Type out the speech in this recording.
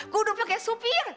ku udah pake sopir